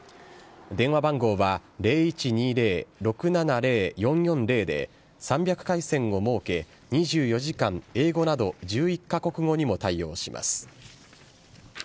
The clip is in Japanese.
電話番号は０１２０ー６７０ー４４０で、３００回線を設け、２４時間、英語など１１か国語にも対応します。